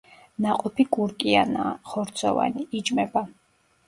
ნაყოფი კურკიანაა, ხორცოვანი, იჭმება.